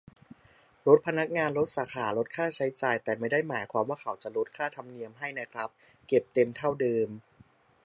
ลดพนักงาน ลดสาขา ลดค่าใช้จ่าย แต่ไม่ได้หมายความว่าเขาจะลดค่าธรรมเนียมให้นะครับ เก็บเต็มเท่าเดิม